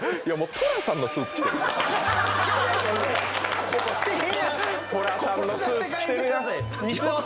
寅さんのスーツ着てるやん。